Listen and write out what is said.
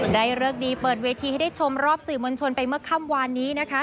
เลิกดีเปิดเวทีให้ได้ชมรอบสื่อมวลชนไปเมื่อค่ำวานนี้นะคะ